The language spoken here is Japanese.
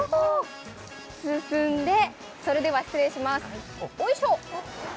進んで、それでは失礼します、おいしょ。